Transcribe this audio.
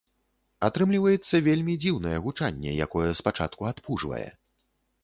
Атрымліваецца вельмі дзіўнае гучанне, якое спачатку адпужвае.